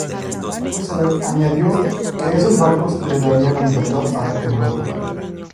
Roosevelt añadió que esos barcos le darían la libertad a Europa.